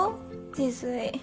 自炊。